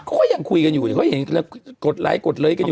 เขายังคุยกันอยู่เขายังกดไลค์กดเลยกันอยู่